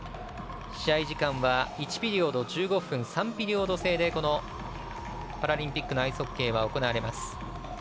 試合時間は１ピリオド１５分３ピリオド制でこのパラリンピックのアイスホッケーは行われます。